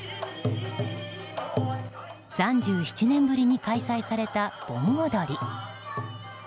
３７年ぶりに開催された盆踊り。